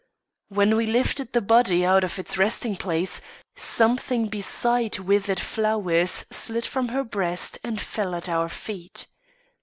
When we lifted the body out of its resting place, something beside withered flowers slid from her breast and fell at our feet.